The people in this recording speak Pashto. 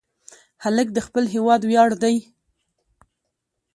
هلک د خپل هېواد ویاړ دی.